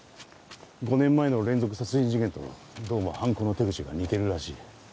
５年前の連続殺人事件とどうも犯行の手口が似てるらしい。